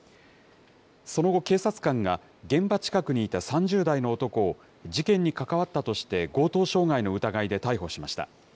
その後、警察官が現場近くにいた３０代の男を、事件に関わったとして強盗傷害の疑いで逮捕しました。